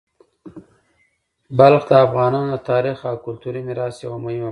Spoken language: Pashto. بلخ د افغانانو د تاریخي او کلتوري میراث یوه مهمه برخه ده.